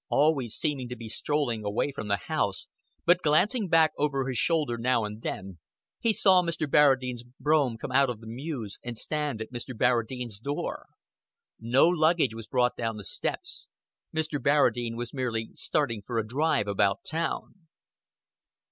Always seeming to be strolling away from the house, but glancing back over his shoulder now and then, he saw Mr. Barradine's brougham come out of the mews and stand at Mr. Barradine's door. No luggage was brought down the steps: Mr. Barradine was merely starting for a drive about town.